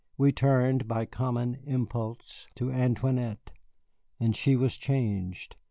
We turned by common impulse to Antoinette, and she was changed.